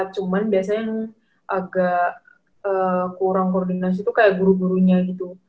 cuman biasanya yang agak kurang koordinasi itu kayak guru gurunya gitu